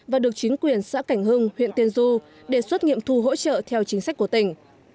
và được chính quyền xã cảnh hưng huyện tiên du đề xuất nghiệm thu hỗ trợ theo chính sách của tỉnh